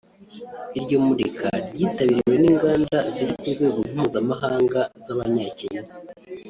Iryo murika ryitabiriwe n’inganda ziri ku rwego mpuzamahanga z’abanyakenya